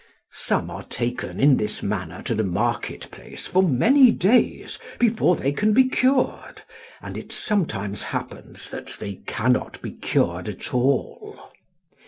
Some are taken in this manner to the market place for many days before they can be cured, and it sometimes happens that they cannot be cured at all.